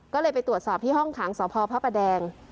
ก็เลยไปตรวจสอบที่ห้องขังสพพระประแดง